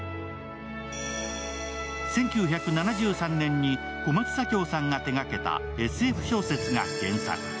１９７３年に小松左京さんが手がけたＳＦ小説が原作。